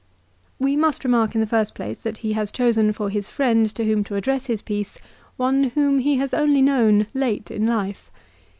We must remark in the first place that he has chosen for his friend to whom to address his piece one whom he has only known late in life.